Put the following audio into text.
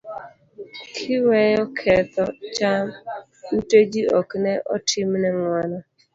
kiweyo ketho cham, ute ji ok ne otim ne ng'uono